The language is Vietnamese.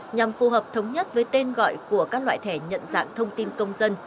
nhằm phù hợp thống nhất với tên gọi của các loại thẻ nhận dạng thông tin công dân